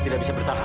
tidak bisa bertahan